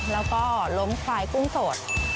แล้วก็ล้มควายกุ้งสด